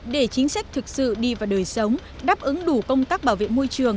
để chính sách thực sự đi vào đời sống đáp ứng đủ công tác bảo vệ môi trường